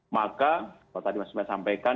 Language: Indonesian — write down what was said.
maka seperti tadi mas sumedha sampaikan